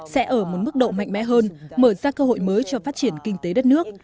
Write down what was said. sẽ ở một mức độ mạnh mẽ hơn mở ra cơ hội mới cho phát triển kinh tế đất nước